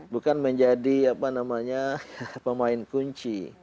bukan menjadi apa namanya pemain kunci